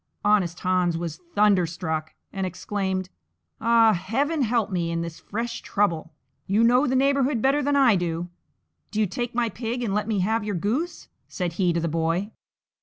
Honest Hans was thunderstruck, and exclaimed, "Ah, Heaven help me in this fresh trouble! you know the neighbourhood better than I do; do you take my pig and let me have your goose," said he to the boy.